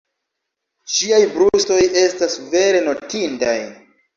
Ŝiaj brustoj estas vere notindaj.